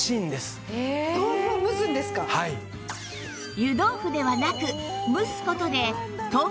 湯豆腐ではなく蒸す事で豆腐